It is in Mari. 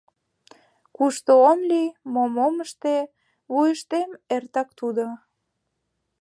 Кушто ом лий, мом ом ыште — вуйыштем эртак тудо.